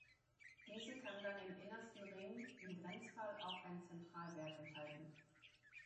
Diese kann dann im innersten Ring im Grenzfall auch einen Zentralberg enthalten.